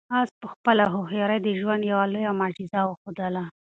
آس په خپله هوښیارۍ د ژوند یوه لویه معجزه وښودله.